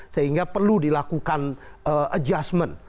sehingga perlu dilakukan adjustment